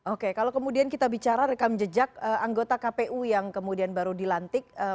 oke kalau kemudian kita bicara rekam jejak anggota kpu yang kemudian baru dilantik